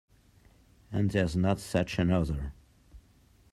And there's not such another.